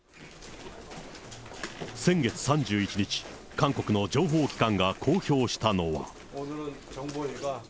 先月３１日、韓国の情報機関が公表したのは。